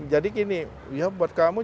gini ya buat kamu